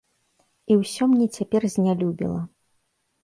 І ўсё мне цяпер знелюбела.